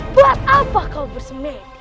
buat apa kau bersemedi